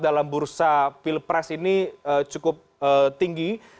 dalam bursa pilpres ini cukup tinggi